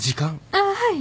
あっはい。